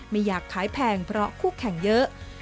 ไม่อยากขายแพงเพราะคู่แข่งเยอะ